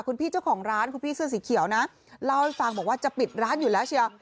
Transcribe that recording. คุณพี่เจ้าของร้านคุณพี่เสื้อสีเขียวนะเล่าให้ฟังบอกว่าจะปิดร้านอยู่แล้วเชียว